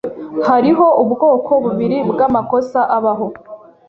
Hariho ubwoko bubiri bwamakosa abaho